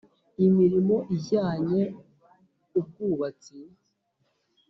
imirimo ijyanye ubwubatsi